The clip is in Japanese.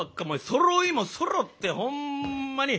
そろいもそろってほんまに。